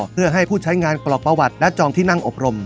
เพื่อให้ผู้ใช้งานกรอกประวัติและจองที่นั่งอบรม